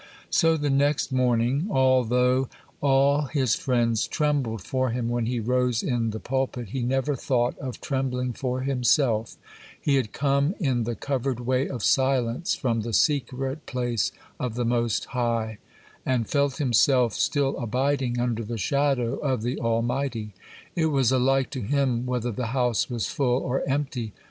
So the next morning, although all his friends trembled for him when he rose in the pulpit, he never thought of trembling for himself: he had come in the covered way of silence from the secret place of the Most High, and felt himself still abiding under the shadow of the Almighty. It was alike to him whether the house was full or empty.